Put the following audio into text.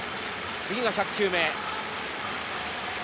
次が１００球目。